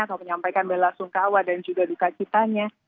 atau menyampaikan bela sungkawa dan juga dukacitanya